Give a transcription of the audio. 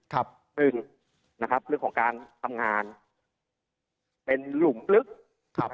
หนึ่งเรื่องของการทำงานเป็นหลุมลึก